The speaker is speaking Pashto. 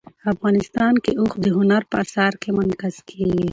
افغانستان کې اوښ د هنر په اثار کې منعکس کېږي.